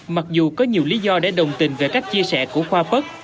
mặc dù có nhiều lý do để đồng tình về cách chia sẻ của khoa